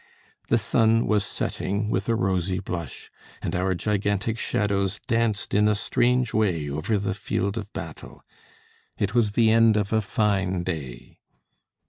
The sun was setting with a rosy blush, and our gigantic shadows danced in a strange way over the field of battle. It was the end of a fine day.